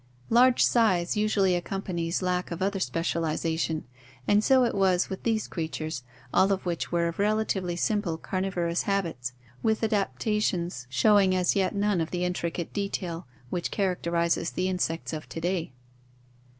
Large size usually accompanies lack of other specialization, and so it was with these creatures, all of which were of relatively simple carnivorous habits, with adaptations showing as yet none of the intricate detail which characterizes the insects of to day.